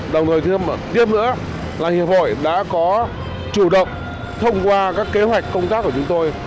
đồng thời thứ năm tiếp nữa là hiệp hội đã có chủ động thông qua các kế hoạch công tác của chúng tôi